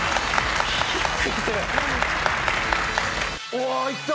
おいった！